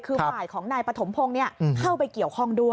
คือฝ่ายของนายปฐมพงศ์เข้าไปเกี่ยวข้องด้วย